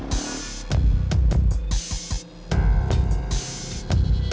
ini kamu saja yang mesti men ook